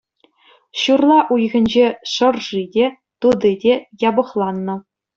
Ҫурла уйӑхӗнче шӑрши те, тути те япӑхланнӑ.